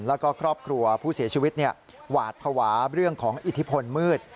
แล้วก็ครอบครัวผู้เสียชีวิตหวาดภาวะเรื่องของอิทธิพลมืด